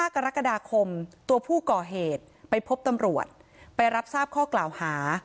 กรกฎาคมตัวผู้ก่อเหตุไปพบตำรวจไปรับทราบข้อกล่าวหา